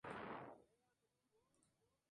Garmendia, Warnes, Paysandú, Av.